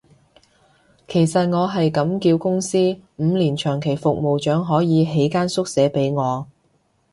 其實我係咁叫公司，五年長期服務獎可以起間宿舍畀我